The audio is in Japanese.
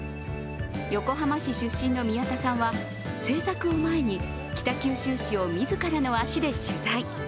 横浜市出身の宮田さんは制作を前に、北九州市を自らの足で取材。